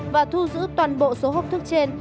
và thu giữ toàn bộ số hộp thuốc trên